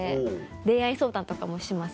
恋愛相談とかもします。